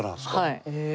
はい。